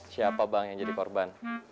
siapa bang yang jadi korban